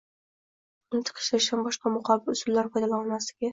pulni tiqishtirishdan boshqa muqobil usullardan foydalana olmasligi